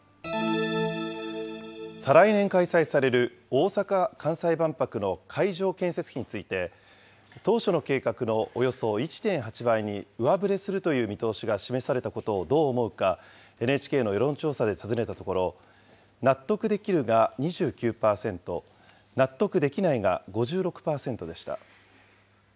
再来年開催される、大阪・関西万博の会場建設費について、当初の計画のおよそ１．８倍に上振れするという見通しが示されたことをどう思うか、ＮＨＫの世論調査で尋ねたところ、納得できるが２９％、納得できないが５６％でした。